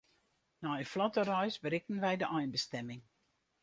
Nei in flotte reis berikten wy de einbestimming.